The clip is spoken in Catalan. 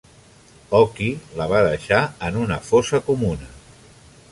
Oki la va deixar en una fossa comuna.